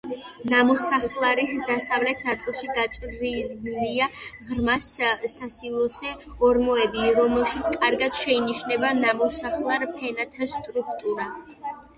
ნამოსახლარის დასავლეთ ნაწილში გაჭრილია ღრმა სასილოსე ორმოები, რომელშიც კარგად შეინიშნება ნამოსახლარ ფენათა სტრუქტურა.